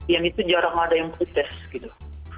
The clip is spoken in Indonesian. yang itu jarang ada yang protes gitu